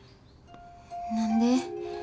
何で？